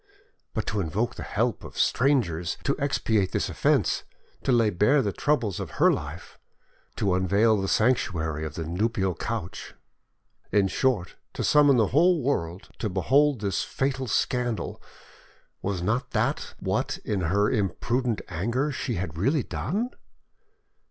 But to invoke the help, of strangers to expiate this offence; to lay bare the troubles of her life, to unveil the sanctuary of the nuptial couch—in short, to summon the whole world to behold this fatal scandal, was not that what in her imprudent anger she had really done?